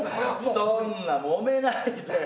そんなもめないで。